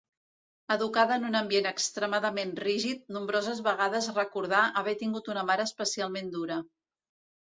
Educada en un ambient extremadament rígid, nombroses vegades recordà haver tingut una mare especialment dura.